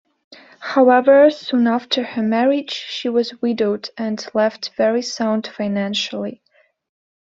However, soon after her marriage she was widowed and left very sound financially.